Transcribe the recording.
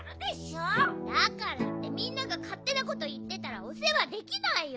だからってみんながかってなこといってたらおせわできないよ。